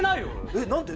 えっ？何で？